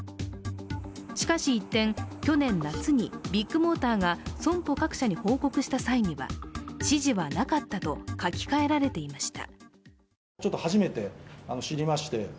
しかし、一転、去年夏にビッグモーターが損保各社に報告した際には指示はなかったと書き換えられていました。